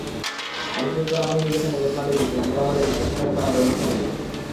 আইনশৃঙ্খলা বাহিনী যেখানে জটলা দেখেছে, হাঙ্গামা দেখেছে, সেখানে তারা ব্যবস্থা নিয়েছে।